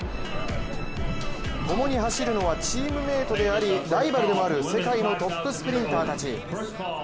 共に走るのはチームメートでありライバルでもある世界のトップスプリンターたち。